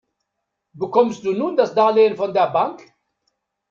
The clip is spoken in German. Bekommst du nun das Darlehen von der Bank?